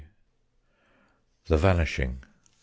_THE VANISHING.